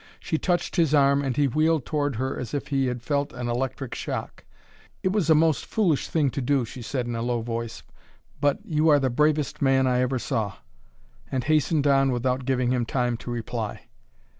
She touched his arm and he wheeled toward her as if he had felt an electric shock. "It was a most foolish thing to do," she said in a low voice, "but you are the bravest man I ever saw," and hastened on without giving him time to reply.